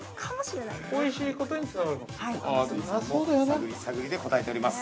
◆探り探りで答えております。